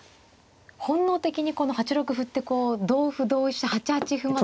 本能的にこの８六歩ってこう同歩同飛車８八歩まで。